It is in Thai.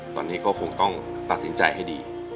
ตอนนี้ก็คงต้องตัดสินใจให้ดี